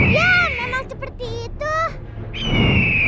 ya memang seperti itu